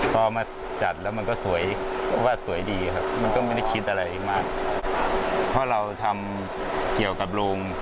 พอมาจัดแล้วมันก็สวยเพราะว่าสวยดีครับมันก็ไม่ได้คิดอะไรมากเพราะเราทำเกี่ยวกับโรง